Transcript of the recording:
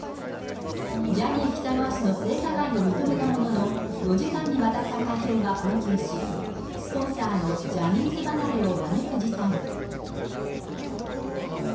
ジャニー喜多川氏の性加害を認めたものの、４時間にわたった会見は紛糾し、スポンサーのジャニーズ離れを招く事態に。